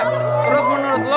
hei terus menurut lo